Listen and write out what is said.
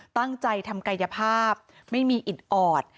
ตั้งใจทำกายภาพไม่มีอิดออด